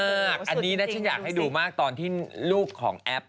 อันนี้นะฉันอยากให้ดูมากตอนที่ลูกของแอป